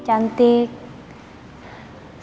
pulang ke bumi